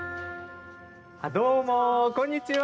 どうも、こんにちは。